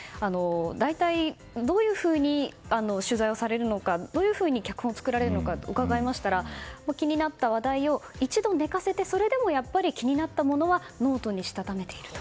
大体、どういうふうに取材されるのかどういうふうに脚本を作られるのか伺いましたら気になった話題を一度寝かせて、それでもやはり気になったものはノートにしたためていると。